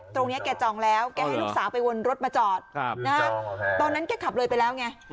แกจองแล้วแกให้ลูกสาวไปวนรถมาจอดตอนนั้นแกขับเลยไปแล้วไง